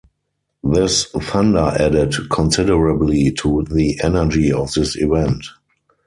This thunder added considerably to the energy of this event.